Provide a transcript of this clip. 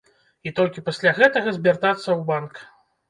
І толькі пасля гэтага звяртацца ў банк.